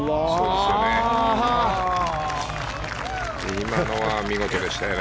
今のは見事でしたよね。